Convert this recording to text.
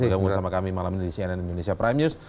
bergabung bersama kami malam ini di cnn indonesia prime news